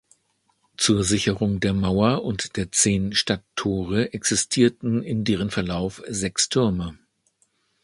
Zur Sicherung der Mauer und der zehn Stadttore existierten in deren Verlauf sechs Türme.